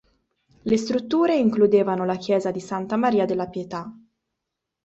Le strutture includevano la chiesa di Santa Maria della Pietà.